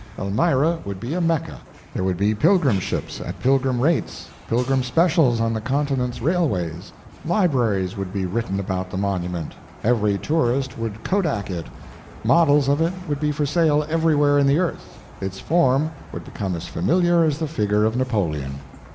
Elmira would be a Mecca; there would be pilgrim ships at pilgrim rates, pilgrim specials on the continent's railways; libraries would be written about the monument, every tourist would kodak it, models of it would be for sale everywhere in the earth, its form would become as familiar as the figure of Napoleon.